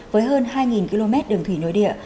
với hơn hai km đường thủy nội địa